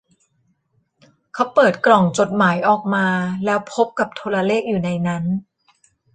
เขาเปิดกล่องจดหมายออกมาแล้วพบกับโทรเลขอยู่ในนั้น